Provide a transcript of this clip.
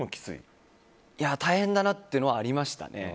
大変だなってのはありましたね。